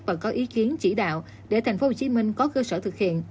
và có ý kiến chỉ đạo để tp hcm có cơ sở thực hiện